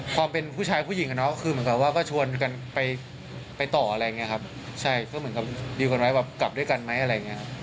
ความเป็นผู้ชายผู้หญิงคือเหมือนกับว่าก็ชวนกันไปไปต่ออะไรไงครับใช่เหมือนกับว่ากลับด้วยกันไหมอะไร